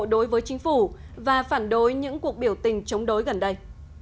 đối với chính phủ và phản đối những cuộc biểu tình chống đối gần đây